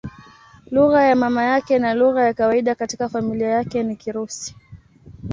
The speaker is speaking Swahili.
Lugha ya mama yake na lugha ya kawaida katika familia yake ni Kirusi.